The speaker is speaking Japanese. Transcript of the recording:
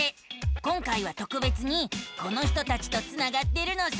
今回はとくべつにこの人たちとつながってるのさ。